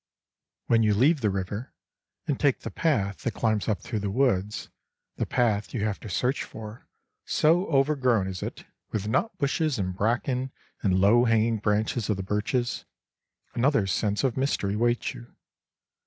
When you leave the river, and take the path that climbs up through the woods—the path you have to search for, so overgrown is it with nut bushes and bracken and low hanging branches of the birches—another sense of mystery awaits you.